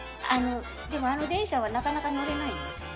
でもあの電車はなかなか乗れないんですよね？